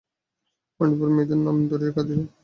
অনেক দিন পরে মেয়ের নাম ধরিয়া কাঁদিল।